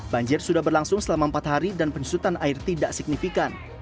banjir sudah berlangsung selama empat hari dan penyusutan air tidak signifikan